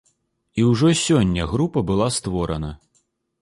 І ўжо сёння група была створана.